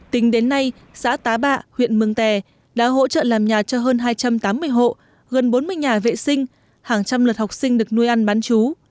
tính đến nay xã tá bạ huyện mường tè đã hỗ trợ làm nhà cho hơn hai trăm tám mươi hộ gần bốn mươi nhà vệ sinh hàng trăm lượt học sinh được nuôi ăn bán chú